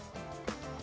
ya kita akan beri bantuan